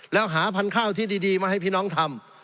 แล้วหาพันธุ์ข้าวที่ดีมาให้พี่น้องทำ